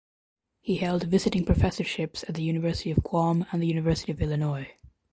He held visiting professorships at the University of Guam and the University of Illinois.